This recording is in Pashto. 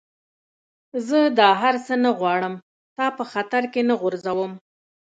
زه دا هر څه نه غواړم، تا په خطر کي نه غورځوم.